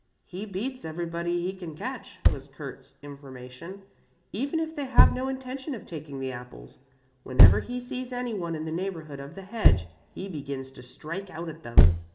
"He beats everybody he can catch," was Kurt's information, "even if they have no intention of taking the apples. Whenever he sees anyone in the neighborhood of the hedge, he begins to strike out at them."